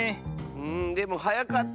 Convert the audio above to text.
うんでもはやかった。